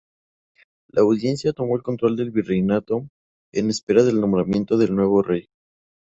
La Audiencia tomó control del virreinato en espera del nombramiento del nuevo virrey.